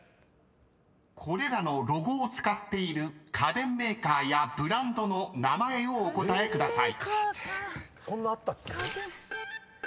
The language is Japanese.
［これらのロゴを使っている家電メーカーやブランドの名前をお答えください］